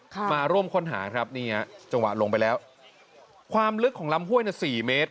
มาร่วมค้นหาครับนี่ฮะจังหวะลงไปแล้วความลึกของลำห้วยน่ะสี่เมตร